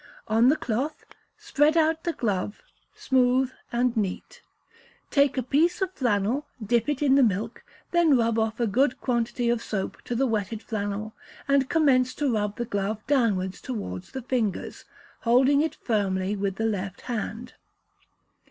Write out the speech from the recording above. On the cloth, spread out the glove smooth and neat. Take a piece of flannel, dip it in the milk, then rub off a good quantity of soap to the wetted flannel, and commence to rub the glove downwards towards the fingers, holding it firmly with the left hand.